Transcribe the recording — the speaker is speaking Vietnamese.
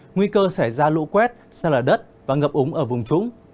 nguy cơ xảy ra lũ quét sần lửa đất và ngập úng ở vùng trúng